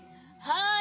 はい。